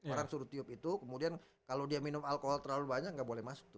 orang suruh tiup itu kemudian kalau dia minum alkohol terlalu banyak nggak boleh masuk